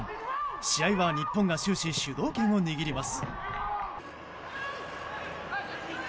試合は、日本が終始主導権を握ります。